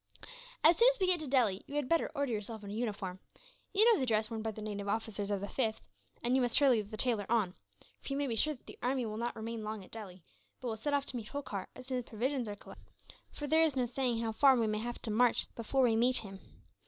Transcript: "As soon as we get to Delhi, you had better order yourself a uniform. You know the dress worn by the native officers of the 5th; and you must hurry the tailor on, for you may be sure that the army will not remain long at Delhi; but will set off to meet Holkar as soon as provisions are collected, for there is no saying how far we may have to march before we meet him.